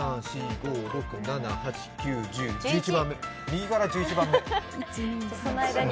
右から１１番目。